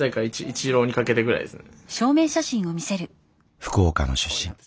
福岡の出身。